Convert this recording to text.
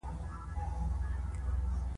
موږ یو ګډ هدف لرو.